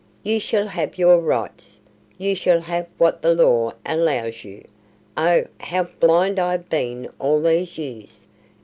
"You shall have your rights! You shall have what the law allows you! Oh, how blind I have been all these years.